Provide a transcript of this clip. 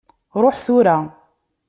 Ṛuḥ tura.